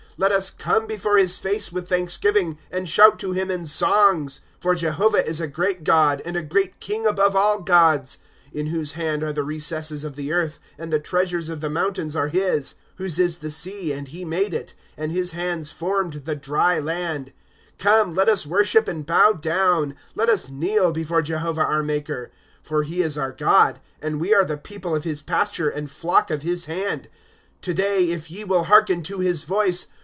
^ Let us come before his face with thanksgiving, And shout to him in songs. ^ For Jehovah is a great God, And a great king above all gods ;* In whose hand are the recesses of the earth, And the treasures of the mountains are his ;^ Whose is the sea, and he made it, And his hands formed the dry land, " Come, let us worship and bow down j Let us kneel before Jehovah our maker. '' For he is our God, And we are the people of his pasture, and flock of his hand, ^ To day, if ye will hearken to his voice!